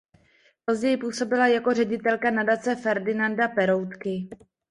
Později působila jako ředitelka Nadace Ferdinanda Peroutky.